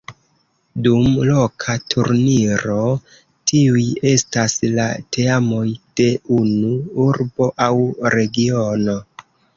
Dum loka turniro tiuj estas la teamoj de unu urbo aŭ regiono.